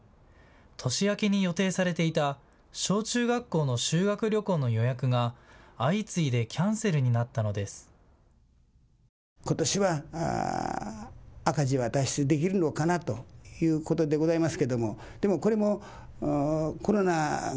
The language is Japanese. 年明けに予定されていた小中学校の修学旅行の予約が相次いでキャンセルになったのです。